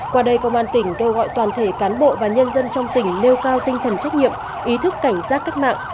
qua đây công an tỉnh kêu gọi toàn thể cán bộ và nhân dân trong tỉnh nêu cao tinh thần trách nhiệm ý thức cảnh giác cách mạng